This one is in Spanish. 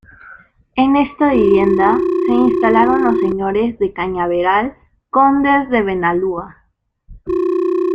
En esta vivienda se instalaron los señores de Cañaveral, Condes de Benalúa.